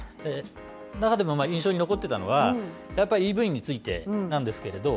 中でも印象に残ってたのは、やっぱりＥＶについてなんですけれど。